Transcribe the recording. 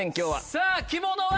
さぁ着物は。